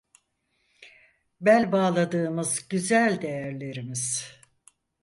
Bel bağladığımız güzel değerlerimiz?